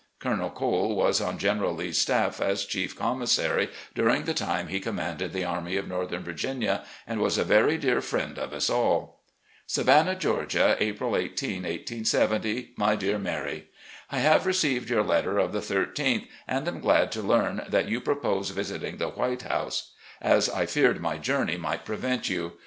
Colonel Cole was on General Lee's stafif as chief commissary dtuing the time he commanded the Army of Northern Virginia, and was a very dear friend of us all : "Savannah, Georgia, April i8, 1870. "My Dear Mary: I have received your letter of the 13th, and am glad to learn that you propose visiting the 398, RECOLLECTIONS OP GENERAL LEE * White House,' as I feared my journey might prevent you.